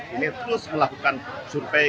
ini terus melakukan survei